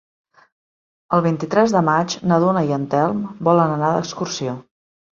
El vint-i-tres de maig na Duna i en Telm volen anar d'excursió.